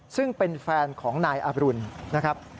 ซึ่งเป็นแฟนของนายอบรุณนะครับ